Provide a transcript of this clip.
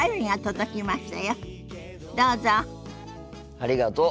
ありがとう。